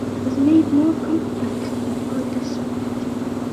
It was made more compact than its predecessor.